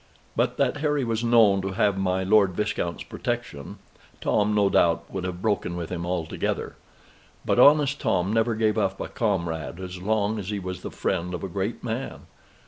But that Harry was known to have my Lord Viscount's protection, Tom no doubt would have broken with him altogether. But honest Tom never gave up a comrade as long as he was the friend of a great man.